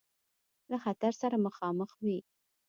له خطر سره مخامخ وي.